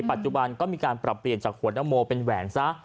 ปัจจุบันก็มีการปรับเปลี่ยนจากหัวนโมเป็นแหวนซะ